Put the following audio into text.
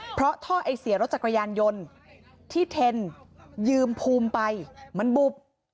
เพราะท่อไอเสียรถจักรยานยนต์ที่เทนยืมภูมิไปมันบุบ